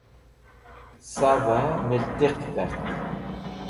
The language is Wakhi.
Savey Miltiq Kart